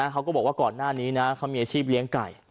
เขาก็บอกว่าก่อนหน้านี้นะเขามีอาชีพเลี้ยงไก่